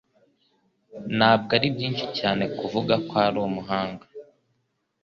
Ntabwo ari byinshi cyane kuvuga ko ari umuhanga.